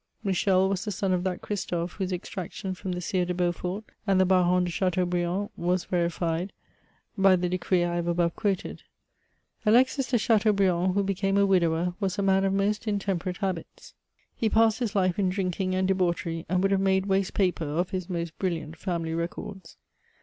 Michel was the son of that Christophe, whose extraction from the Sires de Beaufort, and the Barons de Chateaubriand was verified by the decree I have above (j^uoted. Alexis de Chateaubriand, who became a widower, was a man of most intemperate habits ; he passed his life in CHATEAUBRIAND. 4 7 drinking and debauchery, and woald have made waste paper of bis most brilliant family records.